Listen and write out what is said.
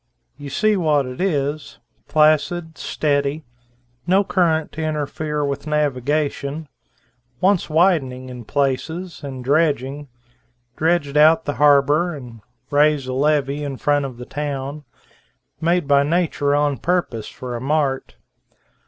You see what it is, placid, steady, no current to interfere with navigation, wants widening in places and dredging, dredge out the harbor and raise a levee in front of the town; made by nature on purpose for a mart.